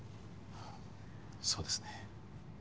そうですね。